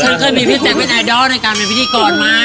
เคยมีพี่แจ๊คเป็นไอดอลในการเป็นพิธีกรมา